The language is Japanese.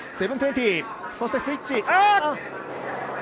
７２０、そしてスイッチ。